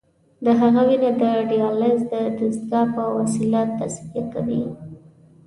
د هغه وینه د دیالیز د دستګاه په وسیله تصفیه کوي.